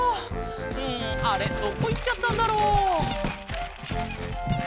うんあれどこいっちゃったんだろう？